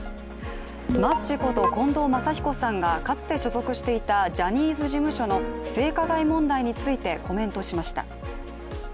マッチこと、近藤真彦さんがかつて所属していたジャニーズ事務所の性加害問題についてコメントしました。